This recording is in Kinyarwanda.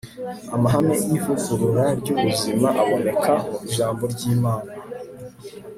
amahame y'ivugurura ry'ubuzima aboneka mu ijambo ry'imana